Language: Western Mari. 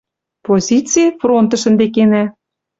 Позици — фронтыш ӹнде кенӓ